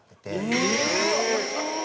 すごい。